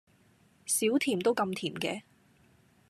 少甜都咁甜嘅？